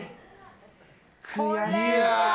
悔しい！